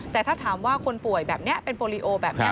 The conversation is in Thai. แต่ถ้าถามว่าคนป่วยแบบนี้เป็นโปรลิโอแบบนี้